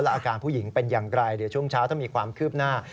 อาการผู้หญิงเป็นอย่างไรเดี๋ยวช่วงเช้าถ้ามีความคืบหน้า